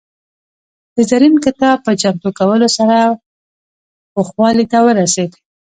د زرین کتاب په چمتو کولو سره پوخوالي ته ورسېد.